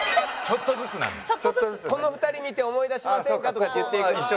この２人見て思い出しませんか？とか言っていきます。